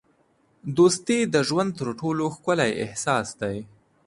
دوستي د ژوند تر ټولو ښکلی احساس دی.